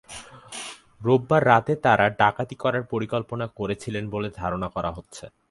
রোববার রাতে তাঁরা ডাকাতি করার পরিকল্পনা করছিলেন বলে ধারণা করা হচ্ছে।